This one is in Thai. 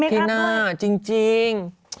ที่หน้าจริง